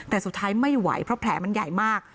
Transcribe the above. แต่สุดท้ายไม่ไหวเพราะแผลมันใหญ่มาก